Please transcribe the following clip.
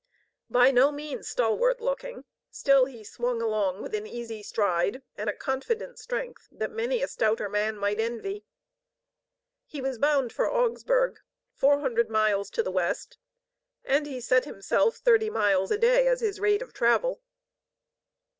By no means stalwart looking, still he swung along with an easy stride and a confident strength that many a stouter man might envy. He was bound for Augsburg, 400 miles to the west, and he set himself thirty miles a day as his rate of travel.